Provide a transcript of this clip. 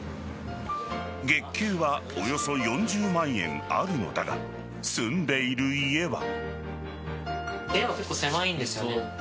月給はおよそ４０万円あるのだが住んでいる家は。